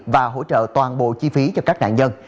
và hỗ trợ toàn bộ chi phí cho các nạn nhân